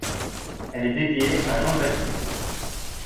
Elle est dédiée à Jean le Baptiste.